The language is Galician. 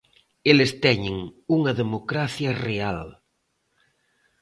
Eles teñen unha democracia real.